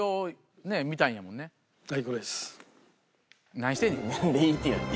何してんねんもう。